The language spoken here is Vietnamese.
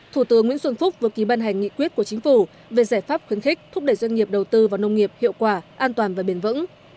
thủ tướng nguyễn xuân phúc vừa ký ban hành nghị quyết của chính phủ về giải pháp khuyến khích thúc đẩy doanh nghiệp đầu tư vào nông nghiệp hiệu quả an toàn và bền vững